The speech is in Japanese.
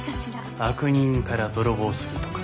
悪人から泥棒するとか。